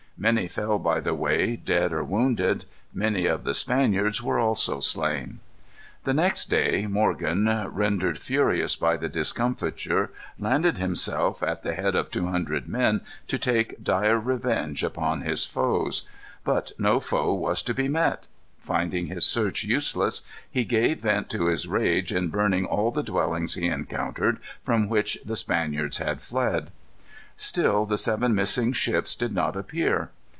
Many fell by the way, dead or wounded. Many of the Spaniards were also slain. The next day, Morgan, rendered furious by the discomfiture, landed himself, at the head of two hundred men, to take dire revenge upon his foes. But no foe was to be met. Finding his search useless, he gave vent to his rage in burning all the dwellings he encountered, from which the Spaniards had fled. Still the seven missing ships did not appear.